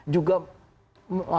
juga memusuhkan kemampuan